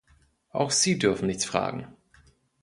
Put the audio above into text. Auch sie dürfen nichts fragen.